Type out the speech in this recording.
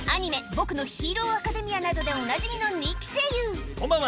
『僕のヒーローアカデミア』などでおなじみの人気声優こんばんは！